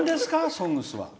「ＳＯＮＧＳ」は！